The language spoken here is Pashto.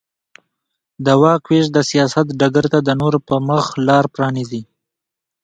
د واک وېش د سیاست ډګر ته د نورو پرمخ لار پرانېزي.